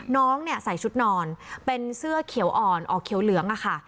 น้องเนี่ยใส่ชุดนอนเป็นเสื้อเขียวอ่อนออกเขียวเหลืองอะค่ะ